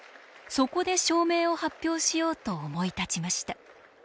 そこで証明を発表しようと思い立ちました。